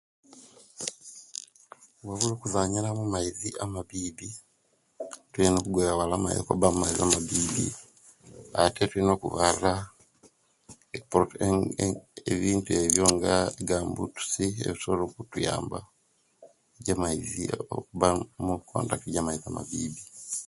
Wabula okuzanyila omumaizi amabibi twine okugewala amaizi amabibi ate tulina okuvaala bintu ebyo nga gambutusi ebisobola okutuyamba ejje maizi okubanga omukotakiti ejje omumaizi amabibi